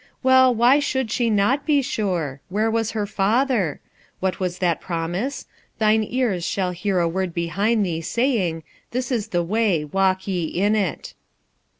Well, why should she not be sure ? Where was her Father ? What was that promise: "Thine ears shall hear a word behind thee saying: "This is the way, walk ye in it."'